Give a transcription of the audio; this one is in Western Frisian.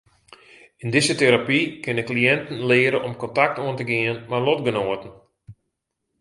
Yn dizze terapy kinne kliïnten leare om kontakt oan te gean mei lotgenoaten.